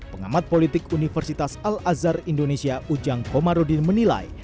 pengamat politik universitas al azhar indonesia ujang komarudin menilai